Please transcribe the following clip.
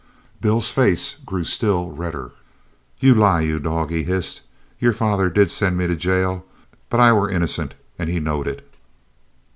Bill's face grew still redder. "Yo' lie, yo' dog!" he hissed. "Yo' father did send me to jail, but I war innocent, an' he knowed it.